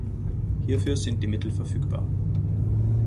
Hierfür sind die Mittel verfügbar.